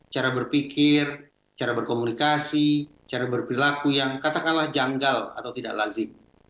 cara berpikir cara berkomunikasi cara berperilaku yang katakanlah janggal atau tidak lazim